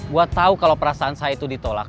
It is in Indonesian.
gua tahu kalo perasaan saya itu ditolak